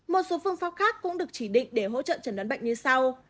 một số phương pháp khác cũng được chỉ định để hỗ trợ trần đoán bệnh như sau